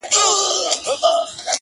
• دا ماته هینداره جوړومه نور ,